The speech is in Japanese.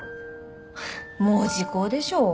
もう時効でしょ。